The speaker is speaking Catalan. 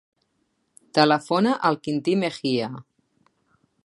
Telefona al Quintí Mejia.